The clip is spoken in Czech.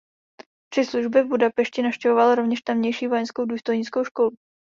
Při službě v Budapešti navštěvoval rovněž tamější vojenskou důstojnickou školu.